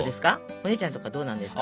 お姉ちゃんとかどうなんですか？